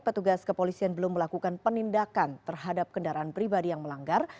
petugas kepolisian belum melakukan penindakan terhadap kendaraan pribadi yang melanggar